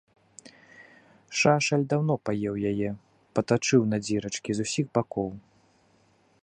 Шашаль даўно паеў яе, патачыў на дзірачкі з усіх бакоў.